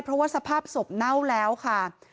เพราะว่าสภาพศพเน่าแล้วค่ะ